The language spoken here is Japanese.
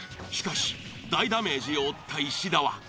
しかし大ダメージを負った石田は。